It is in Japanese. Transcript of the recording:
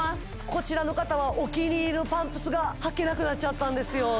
こちらの方はお気に入りのパンプスが履けなくなっちゃったんですよ